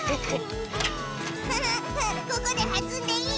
ハハッここではずんでいい？